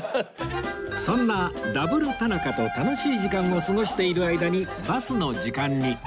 そんなダブル田中と楽しい時間を過ごしている間にバスの時間に